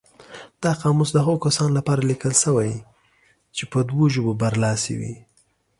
دا قاموس د هغو کسانو لپاره لیکل شوی چې په دوو ژبو برلاسي وي.